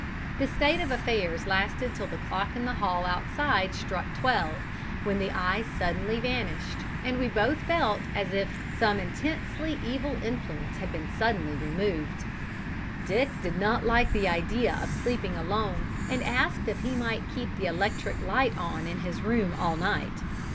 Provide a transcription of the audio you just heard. This state of affairs lasted till the clock in the hall outside struck twelve, when the eye suddenly vanished, and we both felt as if some intensely evil influence had been suddenly removed. "Dick did not like the idea of sleeping alone, and asked if he might keep the electric light on in his room all night.